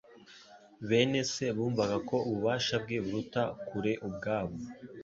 Bene se bumvaga ko ububasha bwe buruta kure ubwabo.